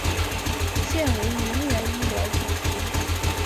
现为铭源医疗主席。